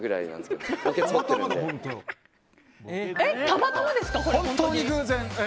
たまたまですか。